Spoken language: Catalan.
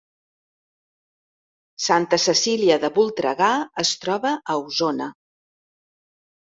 Santa Cecília de Voltregà es troba a Osona